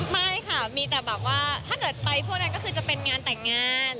ไม่ค่ะมีแต่แบบว่าถ้าเกิดไปพวกนั้นก็คือจะเป็นงานแต่งงาน